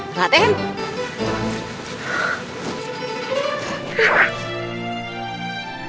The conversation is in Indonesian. pak aman ada di sini